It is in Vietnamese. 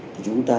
thì chúng ta